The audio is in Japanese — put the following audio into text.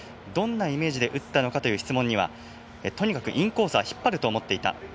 どんなイメージで打ったのかという質問にはとにかくインコースは引っ張ると思っていた。